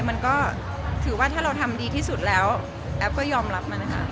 มันก็ถือว่าถ้าเราทำดีที่สุดแล้วแอฟก็ยอมรับมันนะคะ